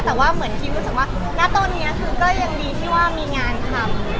แต่ว่าเหมือนคิมรู้สึกว่าณตอนนี้คือก็ยังดีที่ว่ามีงานทำ